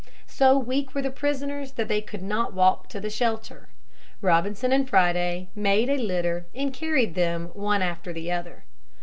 So weak were the prisoners that they could not walk to the shelter. Robinson and Friday made a litter and carried them one after the other.